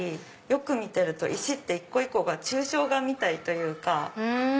よく見てると石って一個一個が抽象画みたいというか。